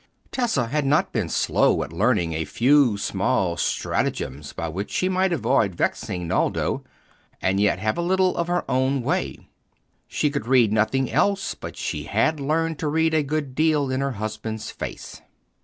Tessa had not been slow at learning a few small stratagems by which she might avoid vexing Naldo and yet have a little of her own way. She could read nothing else, but she had learned to read a good deal in her husband's face.